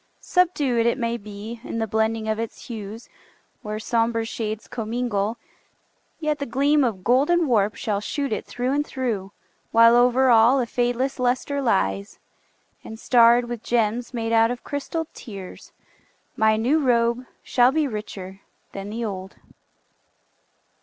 Subdued, It may be, in the blending of its hues, Where somber shades commingle, yet the gleam Of golden warp shall shoot it through and through, While over all a fadeless luster lies, And starred with gems made out of crystalled tears, My new robe shall be richer than the old.